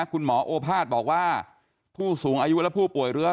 คุณหมอโอภาษบอกว่าผู้สูงอายุและผู้ป่วยเรื้อ